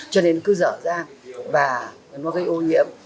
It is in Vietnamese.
cho nên cứ dở da và nó gây ô nhiễm